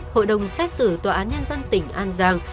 hội đồng xét xử tòa án nhân dân tỉnh an giang